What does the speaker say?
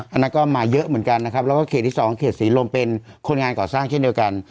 อันนั้นก็มาเยอะเหมือนกันนะครับแล้วก็เขตที่สองเขตศรีลมเป็นคนงานก่อสร้างเช่นเดียวกัน